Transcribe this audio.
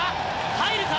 入るか？